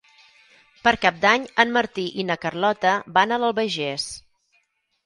Per Cap d'Any en Martí i na Carlota van a l'Albagés.